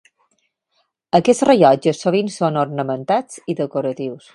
Aquests rellotges sovint són ornamentats i decoratius.